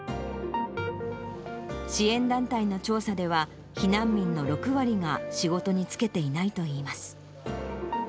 支援団体の調査では、避難民の６割が仕事に就けていないといいます。